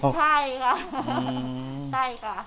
ใช่ค่ะ